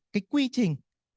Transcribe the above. cái quy trình